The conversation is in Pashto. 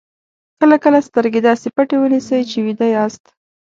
کله کله سترګې داسې پټې ونیسئ چې ویده یاست.